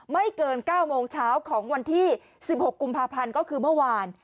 ไม่เกิน๙โมงเช้าของวันที่๑๖กุมภาพันธ์ก็คือเมื่อวาน